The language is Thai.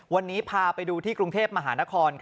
วันนี้พาไปดูที่กรุงเทพมหานคร